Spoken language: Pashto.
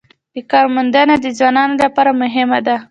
د کار موندنه د ځوانانو لپاره مهمه ده